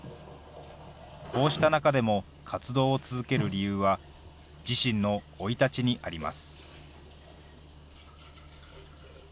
こうした中でも、活動を続ける理由は自身の生い立ちにあります。